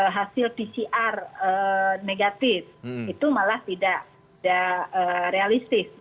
hasil pcr negatif itu malah tidak realistis